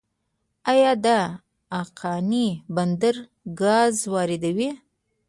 آیا د اقینې بندر ګاز واردوي؟